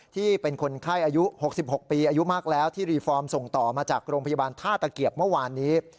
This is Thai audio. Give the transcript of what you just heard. ที่เป็นคนไข้อายุ๖๖ปีอายุมากแล้วที่รีฟอร์มส่งต่อมาจากโรงพยาบาลท่าตะเกียบเมื่อวานนี้